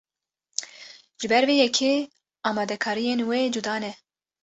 Ji ber vê yekê amadekariyên wê cuda ne.